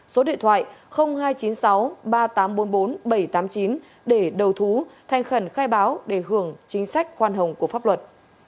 số điện thoại hai trăm chín mươi sáu ba nghìn tám trăm bốn mươi bốn bảy trăm tám mươi chín để đầu thú thành khẩn khai báo để hưởng chính sách khoan hồng của pháp luật